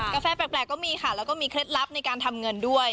กาแฟแปลกก็มีค่ะแล้วก็มีเคล็ดลับในการทำเงินด้วย